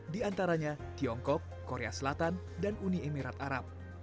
di antaranya tiongkok korea selatan dan uni emirat arab